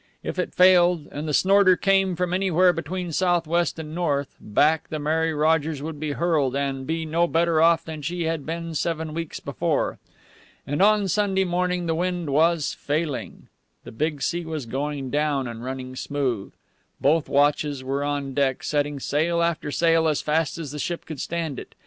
If it failed, and the snorter came from anywhere between southwest and north, back the Mary Rogers would be hurled and be no better off than she had been seven weeks before. And on Sunday morning the wind was failing. The big sea was going down and running smooth. Both watches were on deck setting sail after sail as fast as the ship could stand it.